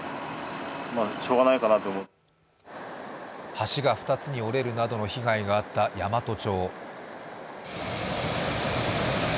橋が２つに折れるなどの被害があった山都町。